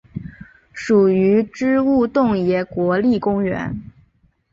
属于支笏洞爷国立公园。